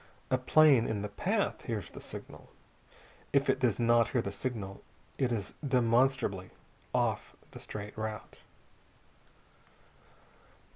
A plane in the path hears the signal. If it does not hear the signal, it is demonstrably off the straight route.